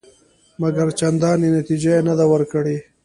مګر چندانې نتیجه یې نه ده ورکړې.